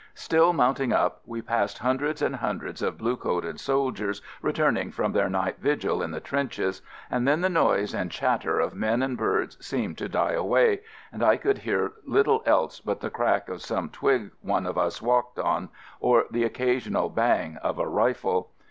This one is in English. Still mounting up, we passed hundreds and hundreds of blue coated soldiers returning from their night vigil in the trenches, and then the noise and chatter of men and birds seemed to die away and I could hear little else but the FIELD SERVICE 35 crack of some twig one of us walked on, or the occasional bang of a rifle.